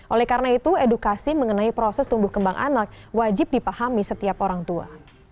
oleh karena itu edukasi mengenai proses tumbuh kembang anak wajib dipahami setiap orang tua